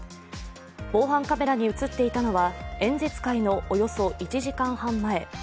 防犯カメラに映っていたのは演説会のおよそ１時間半前。